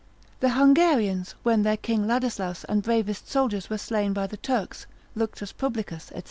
The Hungarians, when their king Ladislaus and bravest soldiers were slain by the Turks, Luctus publicus, &c.